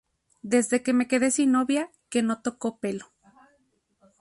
Desde que me quedé sin novia que no toco pelo